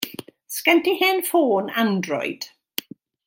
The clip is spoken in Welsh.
Sgen ti hen ffôn Android?